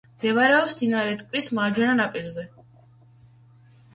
მდებარეობს მდინარე მტკვრის მარჯვენა ნაპირზე.